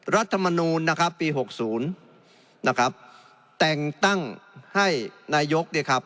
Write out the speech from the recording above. รัฐมณูนปี๖๐แต่งตั้งให้นายก